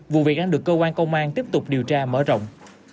vụ việc đang được cơ quan công an tiếp tục điều tra mở rộng